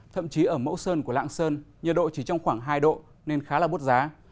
thậm chí ở mẫu sơn của lạng sơn nhiệt độ chỉ trong khoảng hai độ nên khá là bút giá